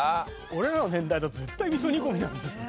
俺らの年代だと絶対味噌煮込みなんですよね。